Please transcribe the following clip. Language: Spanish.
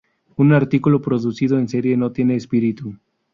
Un artículo producido en serie no tiene espíritu.